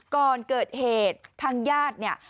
ก่อนเกิดเหตุทางญาติ